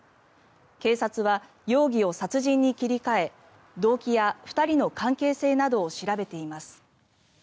警察は容疑を殺人に切り替え動機や２人の関係性などを調べています。